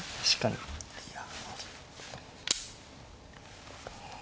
いや。